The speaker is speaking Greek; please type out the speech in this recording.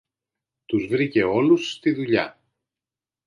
Τους βρήκε όλους στη δουλειά.